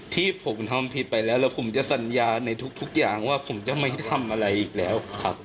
ที่ผมทำผิดไปแล้วแล้วผมจะสัญญาในทุกอย่างว่าผมจะไม่ทำอะไรอีกแล้วครับ